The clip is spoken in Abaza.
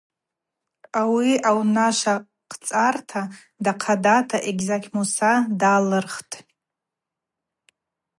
Ауи аунашвахъцӏарта дахъадата Эгьзакь Мусса далырхтӏ.